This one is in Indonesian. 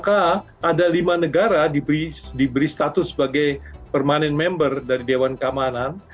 ada lima negara diberi status sebagai permanent member dari dewan keamanan